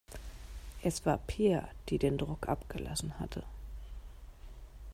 Es war Pia, die den Druck abgelassen hatte.